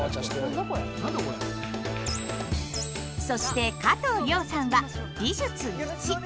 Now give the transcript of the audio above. そして加藤諒さんは「美術Ⅰ」。